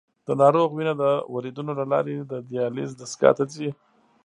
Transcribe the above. د ناروغ وینه د وریدونو له لارې د دیالیز دستګاه ته ځي.